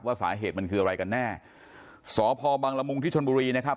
สาเหตุมันคืออะไรกันแน่สพบังละมุงที่ชนบุรีนะครับ